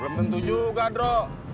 belum tentu juga drok